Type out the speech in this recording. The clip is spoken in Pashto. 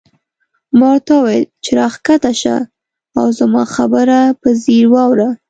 ما ورته وویل چې راکښته شه او زما خبره په ځیر واوره.